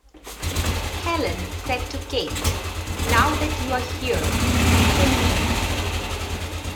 Helen said to Kate, Now that you're here, we can leave.